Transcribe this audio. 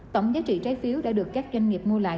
tổng giá trị trái phiếu đã được các doanh nghiệp mua lại